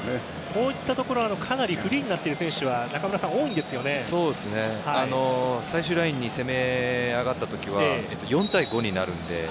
こういったところでかなりフリーになっている選手は最終ラインに攻め上がった時は４対５になるので。